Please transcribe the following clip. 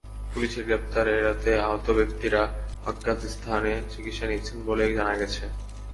পুলিশের গ্রেপ্তার এড়াতে আহত ব্যক্তিরা অজ্ঞাত স্থানে চিকিৎসা নিচ্ছেন বলে জানা গেছে।